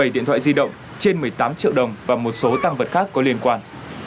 một mươi điện thoại di động trên một mươi tám triệu đồng và một số tăng vật khác có liên quan